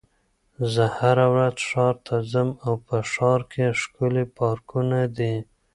زه هره ورځ ښار ته ځم او په ښار کې ښکلي پارکونه دي.